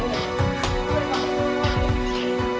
aku tidak mau